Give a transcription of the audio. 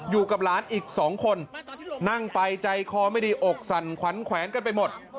อยู่กับหลานอีกสองคนนั่งไปใจคอไม่ดีอกสั่นขวัญแขวนกันไปหมด